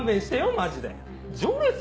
マジで。